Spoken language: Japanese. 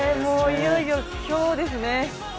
いよいよ今日ですね。